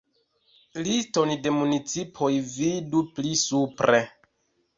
Liston de municipoj vidu pli supre.